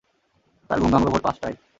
তাঁর ঘুম ভাঙল ভোর পাঁচটায়।